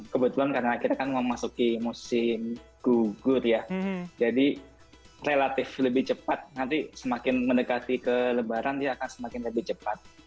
kebetulan karena akhirnya kan memasuki musim gugur ya jadi relatif lebih cepat nanti semakin mendekati ke lebaran dia akan semakin lebih cepat